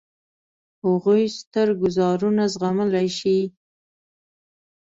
هغوی ستر ګوزارونه زغملای شي.